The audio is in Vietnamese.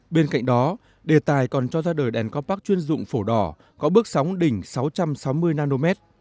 bên cạnh đó đề tài còn cho ra đời đèn compac chuyên dụng phổ đỏ có bước sóng đỉnh sáu trăm sáu mươi nm